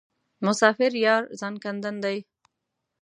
مسافر یار ځانکدن دی.